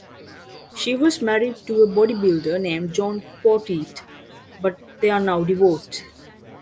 She was married to a bodybuilder named John Poteat, but they are now divorced.